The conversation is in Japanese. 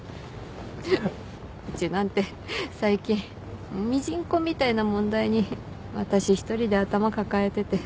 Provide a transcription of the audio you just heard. うちなんて最近ミジンコみたいな問題に私一人で頭抱えてて。